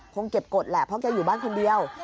เก็บกฎแหละเพราะแกอยู่บ้านคนเดียว